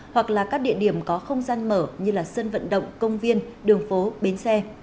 hoặc là các địa điểm có không gian mở như sân vận động công viên đường phố bến xe